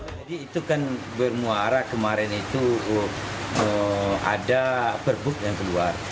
jadi itu kan bermuara kemarin itu ada perbuk yang keluar